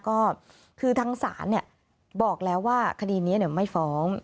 ก็คือทางสารเนี่ยบอกแล้วว่าคดีนี้เนี่ยไม่ฟ้อง